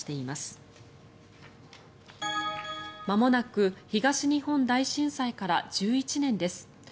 まもなく東日本大震災から１１年です。